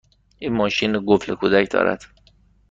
این ماشین قفل کودک دارد؟